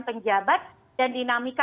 penjabat dan dinamika